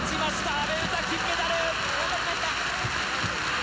阿部詩、金メダル！